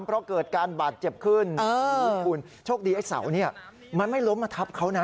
เพราะเกิดการบาดเจ็บขึ้นคุณโชคดีไอ้เสาเนี่ยมันไม่ล้มมาทับเขานะ